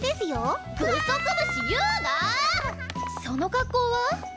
その格好は？